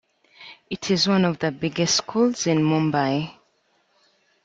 It is one of the biggest schools in Mumbai.